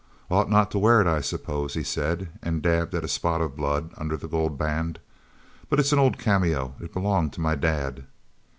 "Ought not to wear it, I suppose," he said, and dabbed at a spot of blood under the gold band. "But it's an old cameo—it belonged to my Dad."